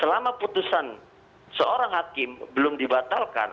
selama putusan seorang hakim belum dibatalkan